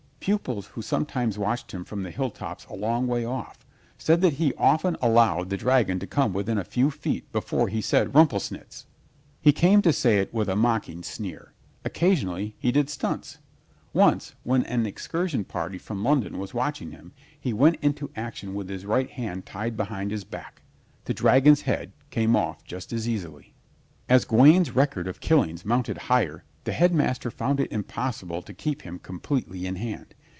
Pupils who sometimes watched him from the hill tops a long way off said that he often allowed the dragon to come within a few feet before he said "Rumplesnitz." He came to say it with a mocking sneer. Occasionally he did stunts. Once when an excursion party from London was watching him he went into action with his right hand tied behind his back. The dragon's head came off just as easily. As Gawaine's record of killings mounted higher the Headmaster found it impossible to keep him completely in hand.